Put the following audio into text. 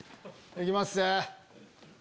行きます。